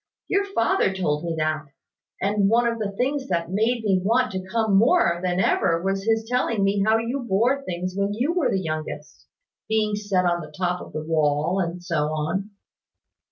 Your father told me that: and one of the things that made me want to come more than ever was his telling me how you bore things when you were the youngest being set on the top of that wall, and so on."